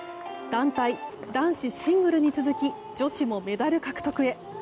団体、男子シングルに続き女子もメダル獲得へ。